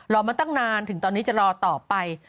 รอมาตั้งนานถึงตอนนี้จะรอต่อไป